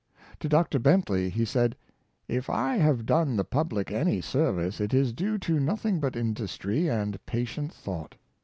To Dr. Bentley he said: *' If I have done the public any serv ice, it is due to nothing but industry and patient thought."